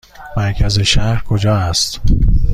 مرکز شهر کجا است؟